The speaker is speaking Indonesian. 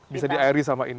bisa diairi sama ini